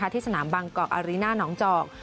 ที่สนามบางกอกอารีน่าน้องจอก